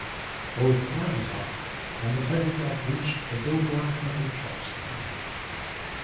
Both "Rocky Top" and the title track reached the "Billboard" country charts that year.